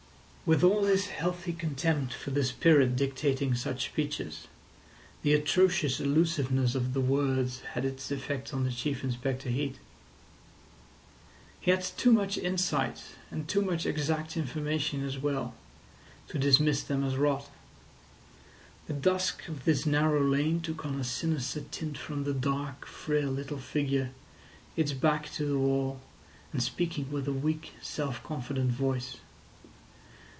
With all his healthy contempt for the spirit dictating such speeches, the atrocious allusiveness of the words had its effect on Chief Inspector Heat. He had too much insight, and too much exact information as well, to dismiss them as rot. The dusk of this narrow lane took on a sinister tint from the dark, frail little figure, its back to the wall, and speaking with a weak, self confident voice.